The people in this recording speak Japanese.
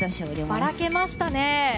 ばらけましたね。